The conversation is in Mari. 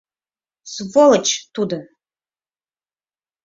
Сволочь тудо!